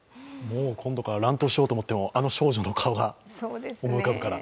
もう今度から乱闘しようと思ってもあの少女の顔が思い浮かぶから。